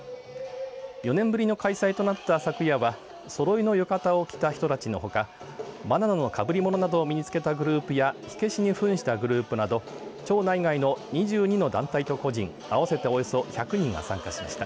４年ぶりの開催となった昨夜はそろいの浴衣を着た人たちのほかバナナのかぶり物などを身につけたグループや火消しにふんしたグループなど町内会の２２の団体と個人合わせておよそ１００人が参加しました。